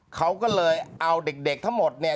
เขาก็เลยเอาเด็กทั้งหมดเนี่ย